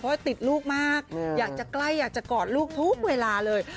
เพราะติดลูกมากอยากจะใกล้อยากจะกอดลูกทุกเวลาเลย